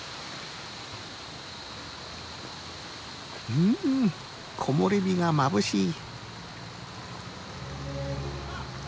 うん木漏れ日がまぶしい。